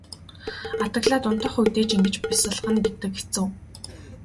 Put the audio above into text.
Адаглаад унтах үедээ ч ингэж бясалгана гэдэг хэцүү.